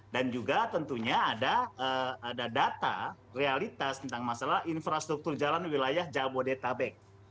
dan juga tentunya ada data realitas tentang masalah infrastruktur jalan wilayah jabodetabek